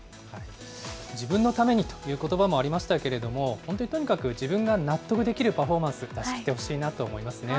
自分のためにということばもありましたけれども、本当にとにかく、自分が納得できるパフォーマンス、出し切ってほしいなと思いますね。